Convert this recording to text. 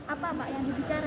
apa yang dibicarakan